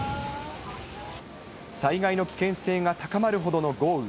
災害の危険性が高まるほどの豪雨。